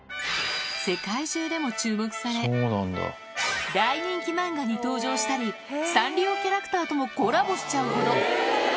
世界中でも注目され、大人気漫画に登場したり、サンリオキャラクターともコラボしちゃうほど。